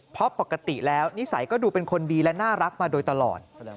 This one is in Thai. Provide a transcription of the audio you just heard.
เพราะปกติแล้วนิสัยก็ดูเป็นคนดีและน่ารักมาโดยตลอด